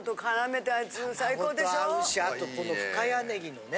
あとこの深谷ねぎのね